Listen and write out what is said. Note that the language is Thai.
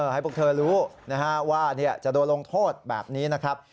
ให้พวกเธอรู้ว่าจะโดนลงโทษแบบนี้นะครับ